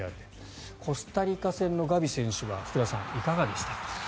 コスタリカ戦のガビ選手は福田さん、いかがでしたか？